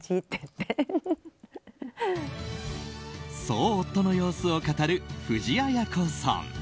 そう夫の様子を語る藤あや子さん。